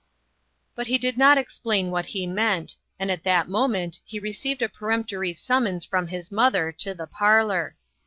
But he did not explain what he meant, and at that moment he received a perempt ory summons from his mother to the parlor.